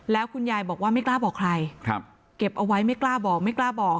แล้วคุณยายบอกว่าไม่กล้าบอกใครเก็บเอาไว้ไม่กล้าบอกไม่กล้าบอก